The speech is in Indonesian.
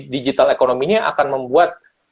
digital ekonominya akan membuat